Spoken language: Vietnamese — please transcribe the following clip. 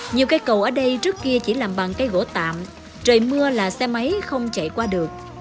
nhiều cây cầu ở đây trước kia chỉ làm bằng cây gỗ tạm trời mưa là xe máy không chạy qua được